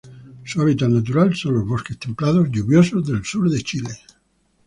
Su hábitat natural son los bosques templados lluviosos del sur de Chile.